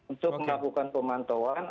untuk melakukan pemantauan